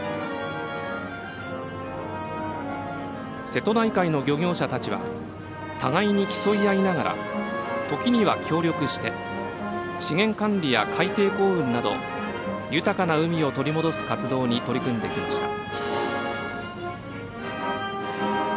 瀬戸内海の漁業者たちは互いに競い合いながら時には協力して資源管理や海底耕うんなど豊かな海を取り戻す活動に取り組んできました。